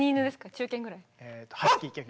中犬ぐらい？